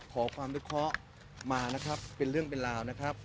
ขอความวิเคราะห์มานะครับเป็นเรื่องเป็นราวนะครับ